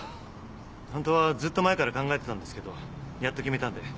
ホントはずっと前から考えてたんですけどやっと決めたんで。